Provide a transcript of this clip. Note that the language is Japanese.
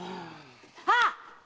あっ！